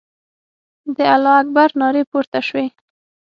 د الله اکبر نارې پورته سوې.